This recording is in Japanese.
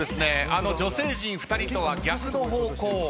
女性陣２人とは逆の方向。